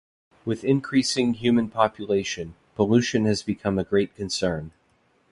With increasing human population, pollution has become a great concern.